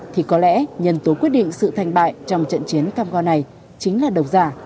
thì có lẽ nhân tố quyết định sự thành bại trong trận chiến cam go này chính là độc giả